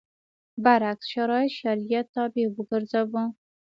برعکس شرایط شریعت تابع وګرځوو.